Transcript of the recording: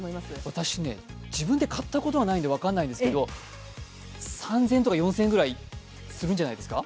私、自分で買ったことがないので分からないんですけど３０００円とか４０００円ぐらいするんじゃないですか？